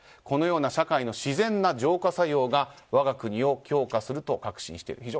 このような社会の自然な浄化作用が我が国を強化すると確信している。